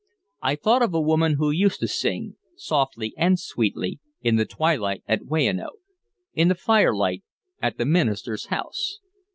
I thought of a woman who used to sing, softly and sweetly, in the twilight at Weyanoke, in the firelight at the minister's house.